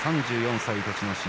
３４歳、栃ノ心。